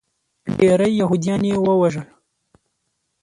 ډیری یهودیان یې ووژل.